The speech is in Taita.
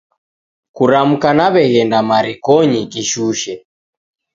Kuramka naweghenda marikonyi kishushe